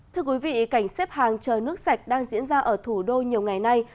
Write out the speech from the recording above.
thưa quý vị cảnh xếp hàng chờ nước sạch đang diễn ra ở thủ đô nhiều ngày nay